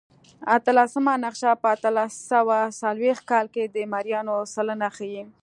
اتلسمه نقشه په اتلس سوه څلوېښت کال کې د مریانو سلنه ښيي.